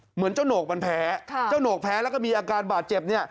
เหมือนเจ้าโหนกมันแพ้เจ้าโหนกแพ้แล้วก็มีอาการบาดเจ็บเนี่ย